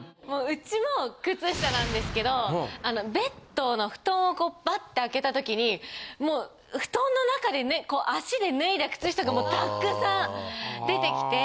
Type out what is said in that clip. うちも靴下なんですけどベッドの布団をバッと開けた時にもう布団の中でね足で脱いだ靴下がもうたくさん出てきて。